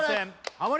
ハモリ